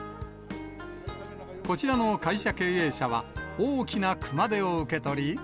こちらの会社経営者は、大きな熊手を受け取り。